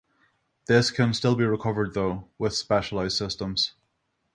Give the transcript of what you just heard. This can still be recovered though with specialised systems.